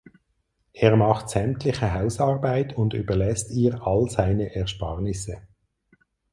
Er macht sämtliche Hausarbeit und überlässt ihr all seine Ersparnisse.